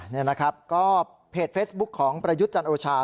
นี่นะครับก็เพจเฟซบุ๊คของประยุทธ์จันโอชา